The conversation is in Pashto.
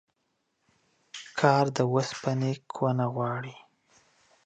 کار د اوسپني کونه غواړي.